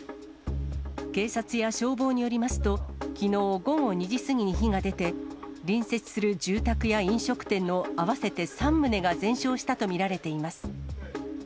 警察や消防によりますと、きのう午後２時過ぎに火が出て、隣接する住宅や飲食店の合わせて３棟が全焼したと見られています。